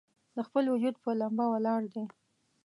د خپل وجود پۀ ، لمبه ولاړ دی